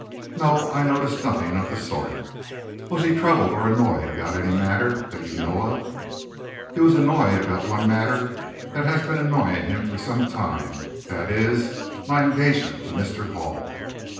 "No; I noticed nothing of the sort." "Was he troubled or annoyed about any matter, that you know of?" "He was annoyed about one matter that has been annoying him for some time: that is, my engagement to Mr. Hall."